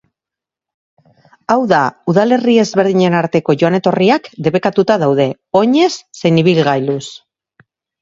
Hau da, udalerri ezberdinen arteko joan-etorriak debekatuta daude, oinez zein ibilgailuz.